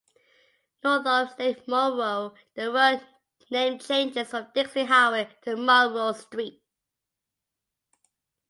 North of Lake Monroe, the road name changes from Dixie Highway to Monroe Street.